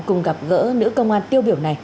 cùng gặp gỡ nữ công an tiêu biểu này